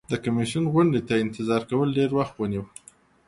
د کمیسیون غونډې ته انتظار کول ډیر وخت ونیو.